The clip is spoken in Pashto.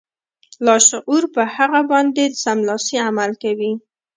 لاشعور په هغه باندې سملاسي عمل کوي